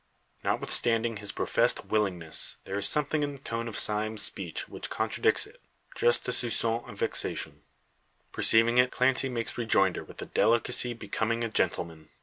Notwithstanding his professed willingness, there is something in the tone of Sime's speech which contradicts it just a soupcon of vexation. Perceiving it, Clancy makes rejoinder with the delicacy becoming a gentleman.